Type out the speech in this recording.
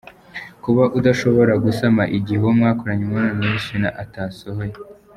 Kuba udashobora gusama igihe uwo mwakoranye imibonano atasohoye .